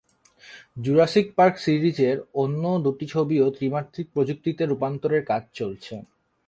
Jurassic Park সিরিজের অন্য দুটি ছবিও ত্রিমাত্রিক প্রযুক্তিতে রূপান্তরের কাজ চলছে।